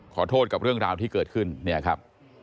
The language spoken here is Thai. ขอโทษกับเรื่องราวที่เกิดขึ้นเนี่ยครับ